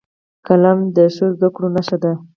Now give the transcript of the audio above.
قلم د ښو زدهکړو نښه ده